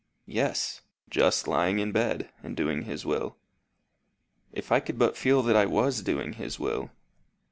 "Yes. Just lying in bed, and doing his will." "If I could but feel that I was doing his will!"